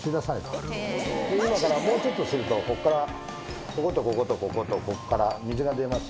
今からもうちょっとするとここからこことこことこことここから。